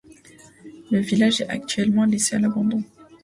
Le village est actuellement laissé à l'abandon.